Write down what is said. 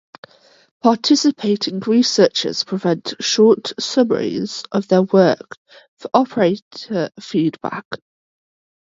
Participating researchers present short summaries of their work for operator feedback.